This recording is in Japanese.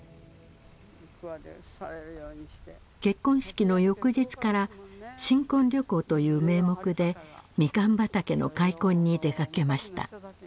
結婚式の翌日から新婚旅行という名目でミカン畑の開墾に出かけました。